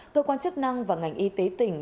cơ quan chức năng và ngành y tế tỉnh